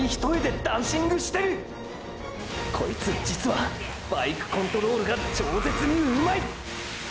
こいつ実はバイクコントロールが超絶に上手い！！